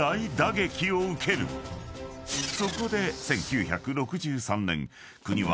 ［そこで１９６３年国は］